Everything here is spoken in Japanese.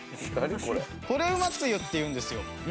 「これ！うま！！つゆ」っていうんですよ。